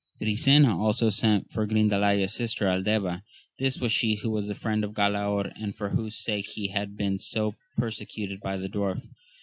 Brisena also sent for Grindalaya's sister. Aldeva : this was she who was the friend of Galaor, and for whose sake he had been so persecuted by the dwarf.